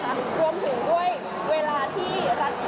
ตั้งแต่ตอนที่น้องประกวดอยู่ที่นู่นแล้วนะคะ